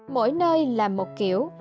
mỗi nơi là một kiểu